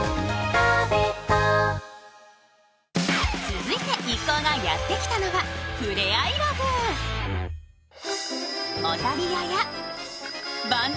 続いて一行がやってきたのはふれあいラグーン。